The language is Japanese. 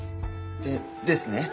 でですね